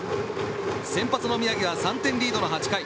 先発の宮城は３点リードの８回。